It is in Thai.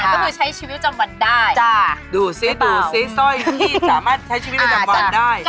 ก็คือใช้ชีวิตจำวันได้นะดูสิซรรย์ที่สามารถใช้ชีวิตจำวันได้